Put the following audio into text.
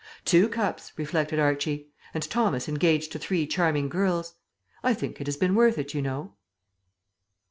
"Two cups," reflected Archie, "and Thomas engaged to three charming girls. I think it has been worth it, you know."